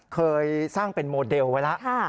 เคยสร้างเป็นโมเดลไว้แล้ว